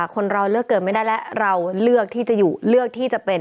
คนเราเลือกเกินไม่ได้แล้วเราเลือกที่จะอยู่เลือกที่จะเป็น